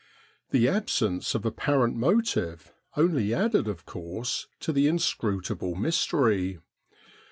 The absence of apparent motive only added of course to the inscrutable mystery.